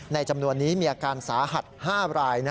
จำนวนนี้มีอาการสาหัส๕ราย